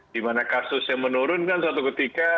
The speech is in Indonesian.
dimana kasusnya menurunkan suatu ketika